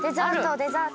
デザート！